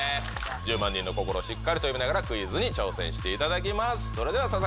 １０万人の心をしっかりと読みながら、クイズに挑戦していただきます。